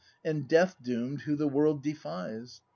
And death doom'd who the world defies.